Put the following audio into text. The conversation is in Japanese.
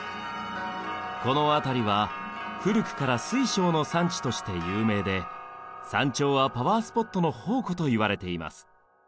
この辺りは古くから水晶の産地として有名で山頂はパワースポットの宝庫といわれています。